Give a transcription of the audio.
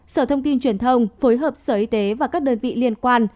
sở thông tin truyền thông phối hợp sở y tế và các đơn vị liên quan